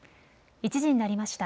１時になりました。